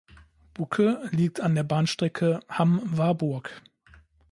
Buke liegt an der Bahnstrecke Hamm–Warburg.